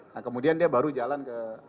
nah kemudian dia baru jalan ke